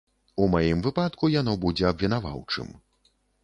У маім выпадку яно будзе абвінаваўчым.